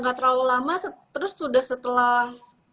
ya gak terlalu lama terus udah setelah